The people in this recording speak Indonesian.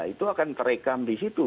itu akan terekam di situ